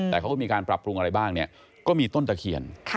แต่เขาก็มีการปรับปรุงอะไรบ้างเนี่ยก็มีต้นตะเคียน